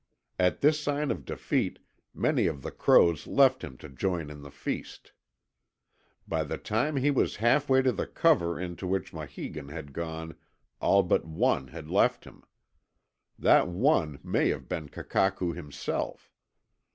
At this sign of defeat many of the crows left him to join in the feast. By the time he was half way to the cover into which Maheegun had gone all but one had left him. That one may have been Kakakew himself.